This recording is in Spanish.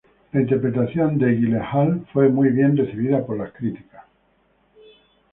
La interpretación de Gyllenhaal fue muy bien recibida por las críticas.